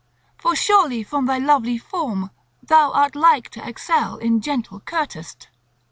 For surely from thy lovely form thou art like to excel in gentle courtest."